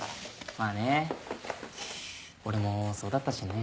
まぁね俺もそうだったしね。